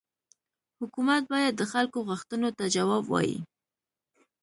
حکومت باید د خلکو غوښتنو ته جواب ووايي.